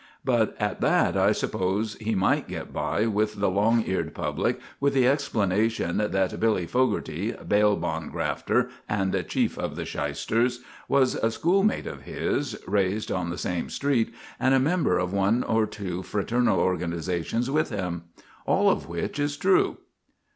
But at that I suppose he might get by with the long eared public with the explanation that 'Billy' Fogarty, bail bond grafter and chief of the 'shysters,' was a schoolmate of his, raised on the same street, and a member of one or two fraternal organisations with him. All of which is true.